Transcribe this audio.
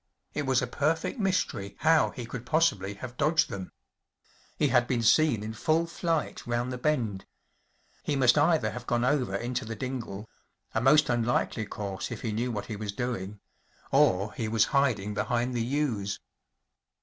It was a perfect mystery how he could possibly have dodged them. He had been seen in full flight round the bend. He must either have gone over into the dingle‚ÄĒa most un¬ likely course if he knew what he was doing‚ÄĒ or he was hiding behind the yews.